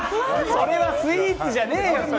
それはスイーツじゃねえよ